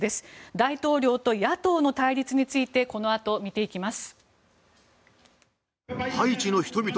大統領と野党の対立についてこのあと見ていきます。